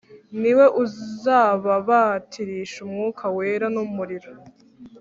: Niwe uzababatirisha Umwuka Wera n’umuriro.